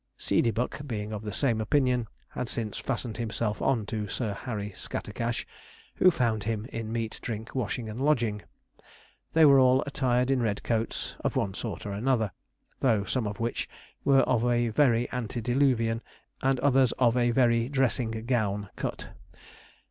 Seedeybuck, being of the same opinion, had since fastened himself on to Sir Harry Scattercash, who found him in meat, drink, washing, and lodging. They were all attired in red coats, of one sort or another, though some of which were of a very antediluvian, and others of a very dressing gown cut.